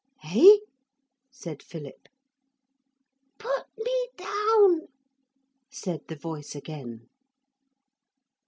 ~' 'Eh?' said Philip. '~Put me down~,' said the voice again.